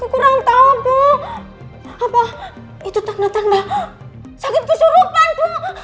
kurang tahu bu apa itu tanda tanda sakit kesurupan